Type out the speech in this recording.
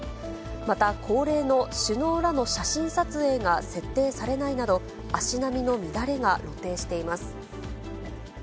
また恒例の首脳らの写真撮影が設定されないなど、足並みの乱れが露呈しています。